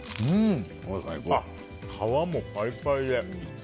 皮もパリパリで。